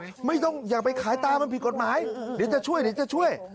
บอกไม่ต้องอย่าไปขายตามันผิดกฎไม้เดี๋ยวจะช่วย